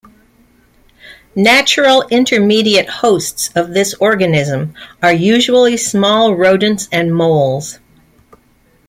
Natural intermediate hosts of this organism are usually small rodents and moles.